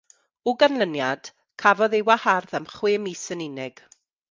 O ganlyniad, cafodd ei wahardd am chwe mis yn unig.